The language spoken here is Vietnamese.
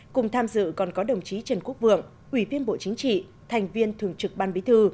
cùng tham dự còn có đồng chí trần quốc vượng ủy viên bộ chính trị thành viên thường trực ban bí thư